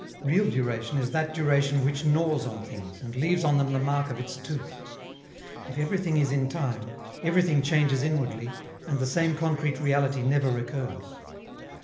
Real duration is that duration which gnaws on things, and leaves on them the mark of its tooth. If everything is in time, everything changes inwardly, and the same concrete reality never recurs.